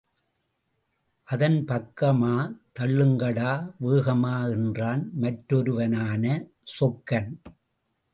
அதன் பக்கமா தள்ளுங்கடா வேகமா என்றான் மற்றொருவனான சொக்கன்.